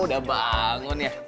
udah bangun ya